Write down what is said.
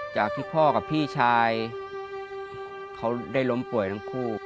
จากที่พ่อกับพี่ชายเขาได้ล้มป่วยทั้งคู่